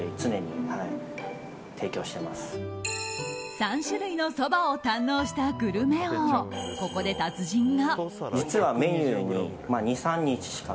３種類のそばを堪能したグルメ王、ここで達人が。